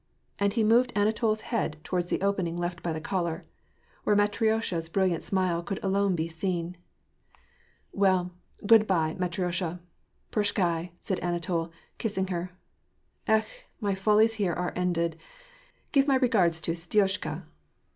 and he moved Anatol's head towards the opening left by the collar, where Matriosha's bril liant smile could alone be seen. " Well, good by, Matriosha, prashchdi,^^ said Anatol, kissing her. " Ekh ! my follies here are ended. Give my regards to Stioshka.